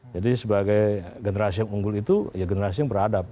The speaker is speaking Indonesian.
jadi sebagai generasi yang unggul itu ya generasi yang beradab